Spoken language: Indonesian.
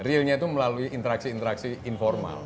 realnya itu melalui interaksi interaksi informal